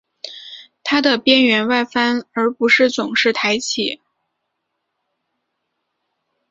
它的边缘外翻而不是总是抬起。